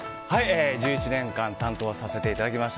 １１年間担当させていただきました